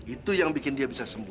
itu yang bikin dia bisa sembuh